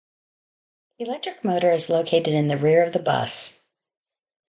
Electric motor is located in the rear of the bus.